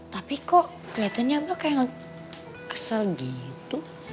tapi kok kelihatannya mbak kayak kesel gitu